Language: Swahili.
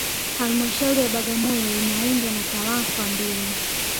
Halmashauri ya Bagamoyo inaundwa na tarafa mbili